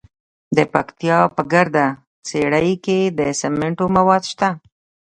د پکتیا په ګرده څیړۍ کې د سمنټو مواد شته.